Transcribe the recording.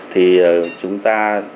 thì chúng ta